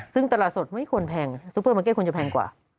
ซึ่งตลาดสดไม่ควรแพงซุปเปอร์มาร์เก็ตควรจะแพงกว่า